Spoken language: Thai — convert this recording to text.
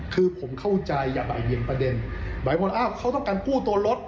คือผมเข้าใจอย่าบ่ายเบียงประเด็นหลายคนอ้าวเขาต้องการกู้ตัวรถ